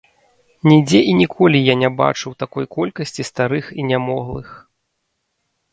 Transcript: Нідзе і ніколі я не бачыў такой колькасці старых і нямоглых.